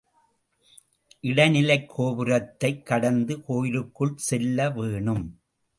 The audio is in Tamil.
இடைநிலைக் கோபுரத்தைக் கடந்து கோயிலுக்குள் செல்ல வேணும்.